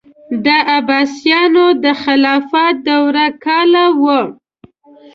د عباسیانو د خلافت دوره کاله وه.